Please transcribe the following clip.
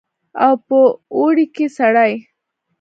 او په اوړي کښې سړې.